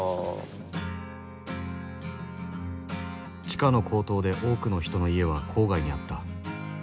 地価の高騰で多くの人の家は郊外にあった。